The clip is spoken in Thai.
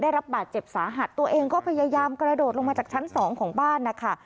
ได้รับบาดเจ็บสาหัสตัวเองก็พยายามกระโดดลงมาจากชั้นสองของบ้านนะคะ